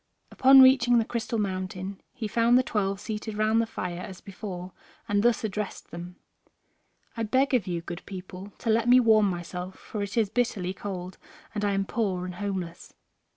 Upon reaching the Crystal Mountain he found the twelve seated round the fire as before, and thus addressed them: "I beg of you, good people, to let me warm myself, for it is bitterly cold, and I am poor and homeless."